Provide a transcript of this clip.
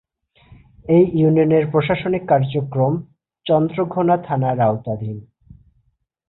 এ ইউনিয়নের প্রশাসনিক কার্যক্রম চন্দ্রঘোনা থানার আওতাধীন।